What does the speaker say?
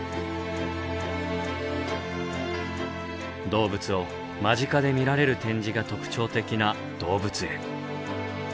動物を間近で見られる展示が特徴的な動物園。